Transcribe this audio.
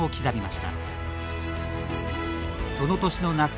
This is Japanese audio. その年の夏